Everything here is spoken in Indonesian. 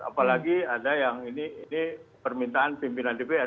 apalagi ada yang ini permintaan pimpinan dpr